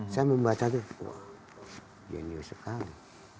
saya membacanya wah jenius sekali